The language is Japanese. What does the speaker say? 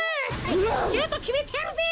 シュートきめてやるぜ！